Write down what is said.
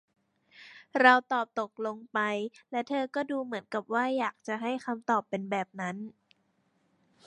เราตอบตกลงไป และเธอก็ดูเหมือนกับว่าอยากจะให้คำตอบเป็นแบบนั้น